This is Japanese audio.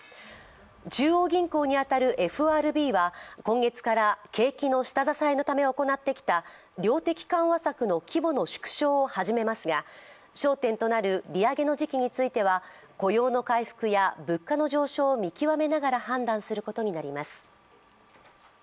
中央銀行に当たるＦＲＢは今月から景気の下支えのため行ってきた量的緩和策の規模の縮小を始めますが、焦点となる、利上げの時期については雇用の回復や物価の上昇を見極めながら判断することになります。